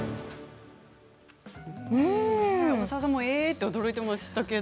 大沢さんも驚いていましたけど。